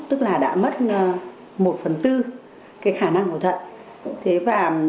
tức là đã mất một phần tư cái khả năng cầu thận